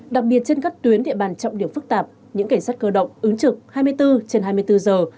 đặc biệt trên các tuyến địa bàn trọng điểm phức tạp những cảnh sát cơ động ứng trực hai mươi bốn trên hai mươi bốn giờ